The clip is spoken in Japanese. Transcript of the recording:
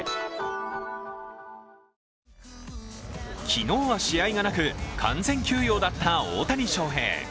昨日は試合がなく完全休養だった大谷翔平。